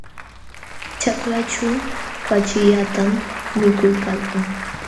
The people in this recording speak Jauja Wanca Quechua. Ćhaklaćhu pachillatam mikuykalkan.